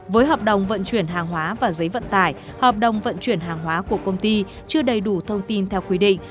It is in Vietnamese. với hợp đồng vận chuyển hàng hóa và giấy vận tải hợp đồng vận chuyển hàng hóa của công ty chưa đầy đủ thông tin theo quy định